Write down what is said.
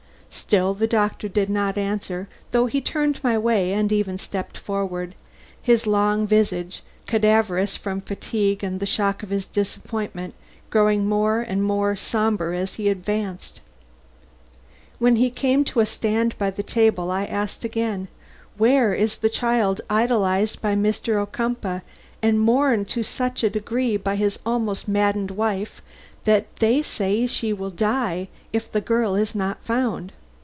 Still the doctor did not answer, though he turned my way and even stepped forward; his long visage, cadaverous from fatigue and the shock of his disappointment, growing more and more somber as he advanced. When he came to a stand by the table, I asked again: "Where is the child idolized by Mr. Ocumpaugh and mourned to such a degree by his almost maddened wife that they say she will die if the little girl is not found?"